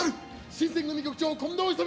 新選組局長、近藤勇。